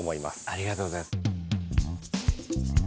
ありがとうございます。